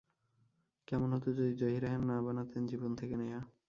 কেমন হতো যদি জহির রায়হান না বানাতেন জীবন থেকে নেয়া?